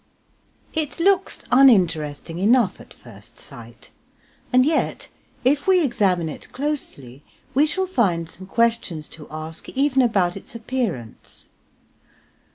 It looks uninteresting enough at first sight, and yet if we examine it closely we shall find some questions to ask even about its appearance.